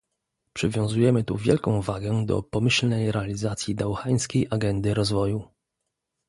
Przywiązujemy tu wielką wagę do pomyślnej realizacji dauhańskiej agendy rozwoju